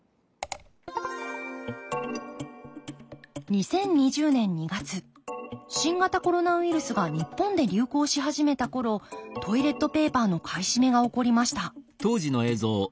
２０２０年２月新型コロナウイルスが日本で流行し始めた頃トイレットペーパーの買い占めが起こりました